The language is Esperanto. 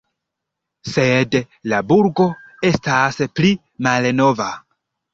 Sed la burgo estas pli malnova.